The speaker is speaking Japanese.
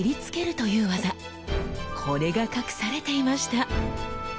これが隠されていました。